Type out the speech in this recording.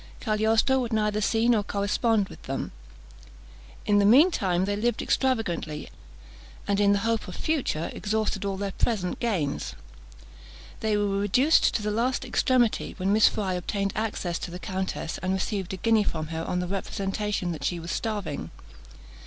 Cagliostro would neither see nor correspond with them. In the mean time they lived extravagantly, and in the hope of future, exhausted all their present gains. They were reduced to the last extremity, when Miss Fry obtained access to the countess, and received a guinea from her on the representation that she was starving.